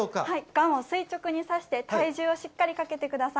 ガンを垂直にさして、体重をしっかりかけてください。